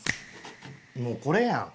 もうこれやん。